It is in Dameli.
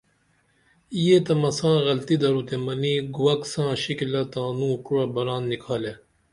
یہ تہ مساں غلطی درو تے منی گُووک ساں شکلہ تانو کوعہ بران نِکھالے